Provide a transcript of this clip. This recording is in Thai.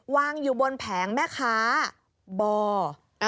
วางอยู่บนแผงแม่ค้าบ่อ